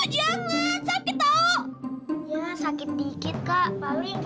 jangan sakit tau